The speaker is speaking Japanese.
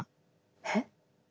えっ？